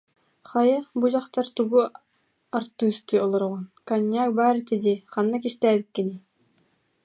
Хайа, бу дьахтар, тугу артыыстыы олороҕун, коньяк баар этэ дии, ханна кистээбиккиний